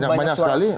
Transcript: iya banyak sekali